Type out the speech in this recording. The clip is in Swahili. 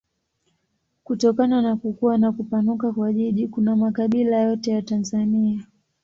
Kutokana na kukua na kupanuka kwa jiji kuna makabila yote ya Tanzania.